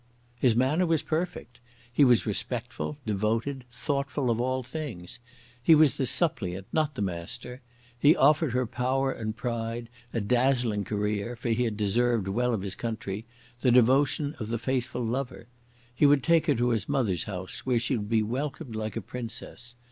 His manner was perfect. He was respectful, devoted, thoughtful of all things. He was the suppliant, not the master. He offered her power and pride, a dazzling career, for he had deserved well of his country, the devotion of the faithful lover. He would take her to his mother's house, where she would be welcomed like a princess.